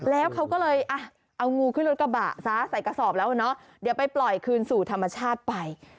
แล้วเขาก็เลยเอางูขึ้นรถกระบะซะใส่กระสอบแล้วเนาะเดี๋ยวไปปล่อยคืนสู่ธรรมชาติไป